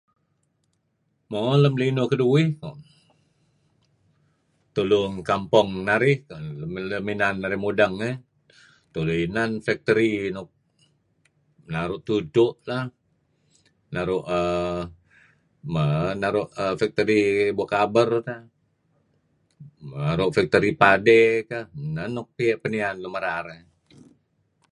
Mo lem linuh keduih koh tulu ngi kampong narih keh lem inan narih mudang eh tulu inan factory nuk naru' tudtu' lah naru' err [mer] naru' factory bua' kaber neh naru' factory padey kah neh nuk [peh] piniyan lun merar eh.